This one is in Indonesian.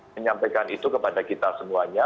menyampaikan itu kepada kita semuanya